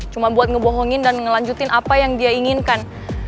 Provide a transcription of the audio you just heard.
cuma buat ngebohongin dan ngelanjutin apa yang dia inginkan